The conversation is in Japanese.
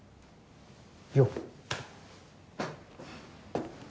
よっ。